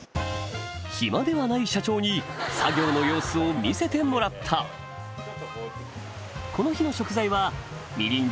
暇ではない社長に作業の様子を見せてもらったこの日の食材はみりん